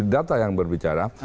data yang berbicara